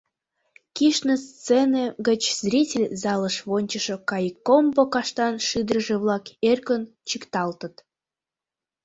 Кӱшнӧ сцене гыч зритель залыш вончышо Кайыккомбо каштан шӱдыржӧ-влак эркын чӱкталтыт.